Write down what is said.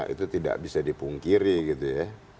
itu tidak bisa dipungkiri gitu ya